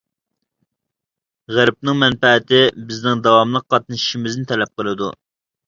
غەربنىڭ مەنپەئەتى بىزنىڭ داۋاملىق قاتنىشىشىمىزنى تەلەپ قىلىدۇ.